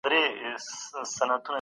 زموږ وطن ښکلی دئ.